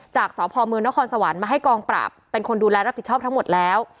จากสพมนครสวรรค์มาให้กองปราบเป็นคนดูแลรับผิดชอบทั้งหมดแล้ว